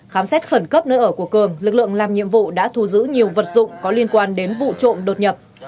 khám xét khẩn cấp nơi ở của cường lực lượng làm nhiệm vụ đã thu giữ nhiều vật dụng có liên quan đến vụ trộm đột nhập